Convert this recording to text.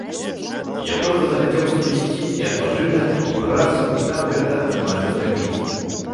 Я проста захацеў сумясціць і адпачынак, і працу, і там гэта атрымаецца зрабіць.